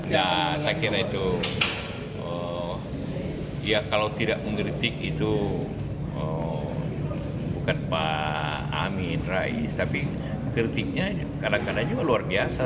ya saya kira itu ya kalau tidak mengkritik itu bukan pak amin rais tapi kritiknya kadang kadang juga luar biasa